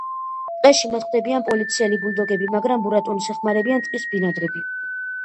ტყეში მათ ხვდებიან პოლიციელი ბულდოგები, მაგრამ ბურატინოს ეხმარებიან ტყის ბინადრები.